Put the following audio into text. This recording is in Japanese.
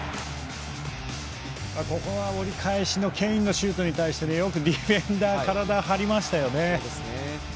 ここは折り返しのケインのシュートに対してよくディフェンダーが体を張りましたよね。